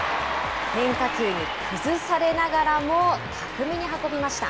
変化球に崩されながらも、巧みに運びました。